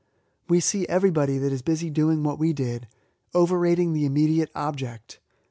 We see everybody that is busy doing what we did — overrating the immediate object.